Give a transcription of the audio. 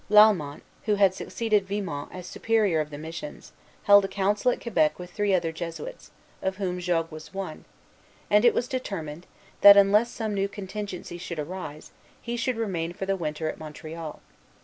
Lalemant, who had succeeded Vimont as Superior of the missions, held a council at Quebec with three other Jesuits, of whom Jogues was one, and it was determined, that, unless some new contingency should arise, he should remain for the winter at Montreal.